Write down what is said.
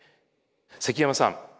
積山さん